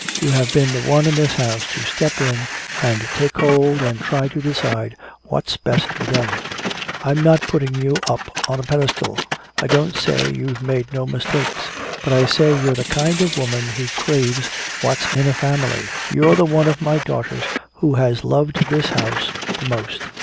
You have been the one in this house to step in and take hold and try to decide what's best to be done. I'm not putting you up on a pedestal, I don't say you've made no mistakes but I say you're the kind of a woman who craves what's in a family. You're the one of my daughters who has loved this house the most!"